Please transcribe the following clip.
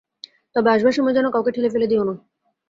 তবে আসবার সময় যেন কাউকে ঠেলে ফেলে দিও না।